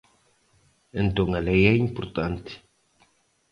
Entón a lei é importante.